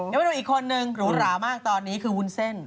เดี๋ยวมาดูอีกคนนึงหรูหรามากตอนนี้คือวุ้นเส้น